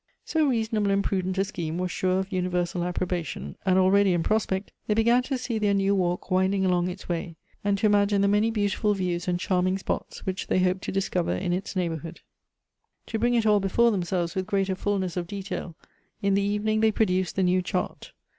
So reasonable and prudent a scheme was sure of universal approbation, and already, in prospect, they began to see their new walk winding along its way, and to imagine the many beautiftil views and chai ming spots which they hoped to discover in its neighborhood. To bring it all before themselves with greater fulness of detail, in the evening they produced the new chart.